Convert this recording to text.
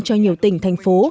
cho nhiều tỉnh thành phố